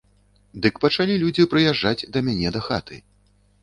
Дык пачалі людзі прыязджаць да мяне дахаты.